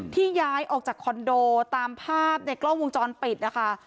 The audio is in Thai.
ย้ายออกจากคอนโดตามภาพในกล้องวงจรปิดนะคะ